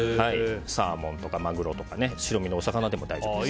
サーモンとかマグロとか白身のお魚でも大丈夫です。